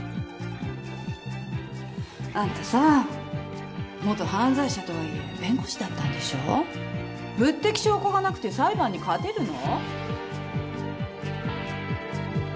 あんたさ元犯罪者とはいえ弁護士だったんでしょ物的証拠がなくて裁判に勝てるの？